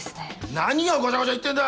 何をごちゃごちゃ言ってんだ！